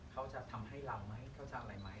เขาจะทำให้เราไหมเข้าใจอะไรไหม